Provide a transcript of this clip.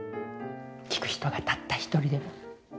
聴く人がたった一人でも。